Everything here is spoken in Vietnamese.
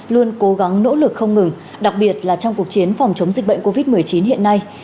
luôn cố gắng nỗ lực không ngừng đặc biệt là trong cuộc chiến phòng chống dịch bệnh covid một mươi chín hiện nay